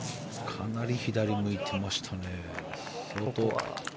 かなり左を向いてましたね。